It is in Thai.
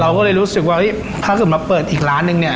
ก็เลยรู้สึกว่าถ้าเกิดมาเปิดอีกร้านนึงเนี่ย